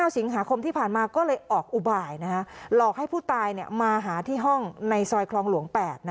สิงหาคมที่ผ่านมาก็เลยออกอุบายหลอกให้ผู้ตายมาหาที่ห้องในซอยคลองหลวง๘